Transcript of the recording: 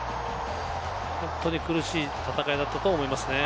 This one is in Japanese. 本当に苦しい戦いだったと思いますね。